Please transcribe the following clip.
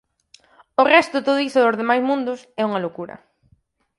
O resto, todo iso dos demais mundos, é unha loucura.